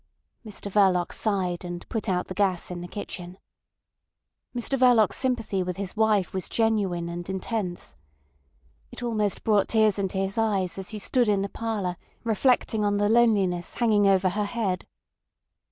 Mr Verloc sighed, and put out the gas in the kitchen. Mr Verloc's sympathy with his wife was genuine and intense. It almost brought tears into his eyes as he stood in the parlour reflecting on the loneliness hanging over her head.